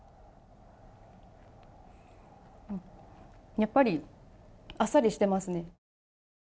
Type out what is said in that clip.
やっぱり、あっさりしてますね。